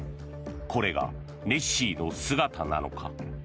これがネッシーの姿なのか。